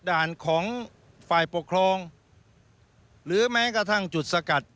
ด่านของฝ่ายปกครองหรือแม้กระทั่งจุดสกัด